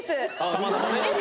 たまたまね。